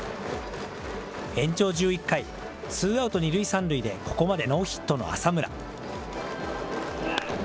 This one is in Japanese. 延長１１回、ツーアウト２塁３塁でここまでノーヒットの浅村。